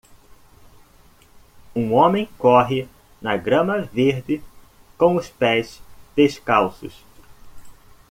Um homem corre na grama verde com os pés descalços.